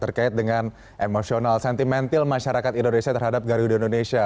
terkait dengan emosional sentimental masyarakat indonesia terhadap garuda indonesia